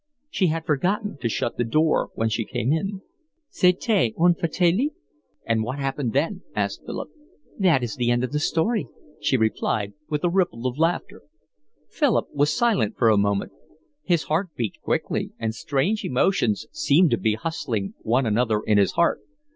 She had forgotten to shut the door when she came in. "C'etait une fatalite." "And what happened then?" asked Philip. "That is the end of the story," she replied, with a ripple of laughter. Philip was silent for a moment. His heart beat quickly, and strange emotions seemed to be hustling one another in his heart.